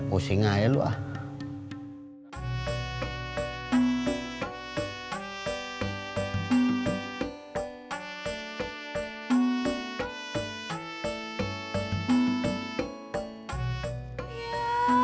pusing aja lu ah